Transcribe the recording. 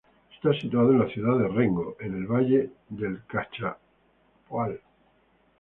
Está situada en la ciudad de Rengo, en el Valle del Cachapoal.